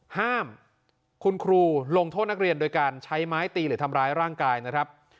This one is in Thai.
ห้ามคุณครูลงโทษนักเรียนโดยการใช้ไม้ตีหรือทำร้ายร่างกายนะครับ